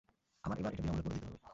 আমায় এবার এটা বিনামূল্যে দিতে হবে।